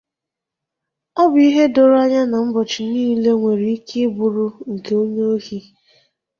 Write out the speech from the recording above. Ọ bụ ihe doro anya na ụbọchị niile nwèrè ike bụrụ nke onye ohi